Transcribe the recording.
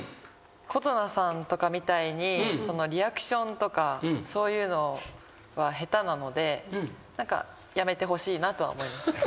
琴奈さんとかみたいにリアクションとかそういうのは下手なのでやめてほしいなとは思います。